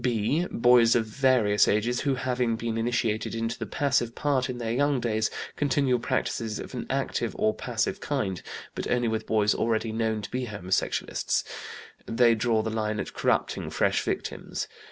"(b) Boys of various ages who, having been initiated into the passive part in their young days, continue practices of an active or passive kind; but only with boys already known to be homosexualists; they draw the line at corrupting fresh victims.